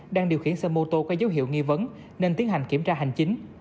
đang điều khiển xe mô tô có dấu hiệu nghi vấn nên tiến hành kiểm tra hành chính